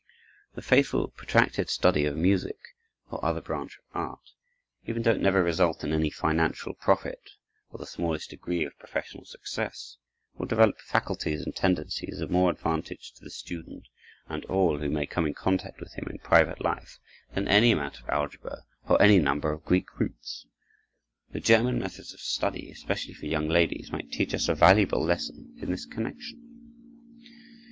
The faithful, protracted study of music, or other branch of art, even though it never result in any financial profit or the smallest degree of professional success, will develop faculties and tendencies of more advantage to the student and to all who may come in contact with him in private life, than any amount of algebra, or any number of Greek roots. The German methods of study, especially for young ladies, might teach us a valuable lesson in this connection.